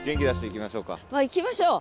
いきましょう。